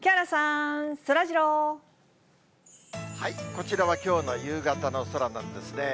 こちらはきょうの夕方の空なんですね。